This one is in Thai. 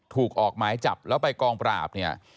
ถูกออกไม้จับแล้วไปกองปราบนี่